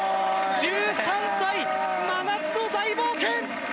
１３歳、真夏の大冒険！